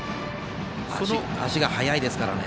足が速いですからね。